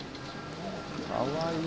かわいい。